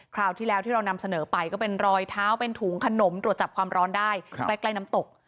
คราวที่แล้วที่เรานำเสนอไปก็เป็นรอยเท้าเป็นถุงขนมตรวจจับความร้อนได้ใกล้น้ำตก